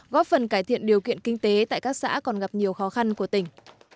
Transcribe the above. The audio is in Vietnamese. góp phần cải thiện điều kiện kinh tế tại các xã còn gặp nhiều khó khăn của tỉnh